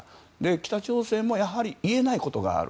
北朝鮮も言えないことがある。